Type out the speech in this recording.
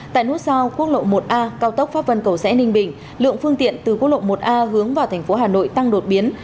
tại nút giao quốc lộ một a cao tốc pháp vân cầu rẽ ninh bình lượng phương tiện từ quốc lộ một a hướng vào thành phố hà nội tăng đột biến